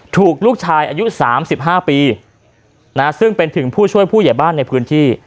ถูกลูกชายอายุ๓๕ปีซึ่งเป็นถึงผู้ช่วยผู้ใหญ่บ้านในพื้นที่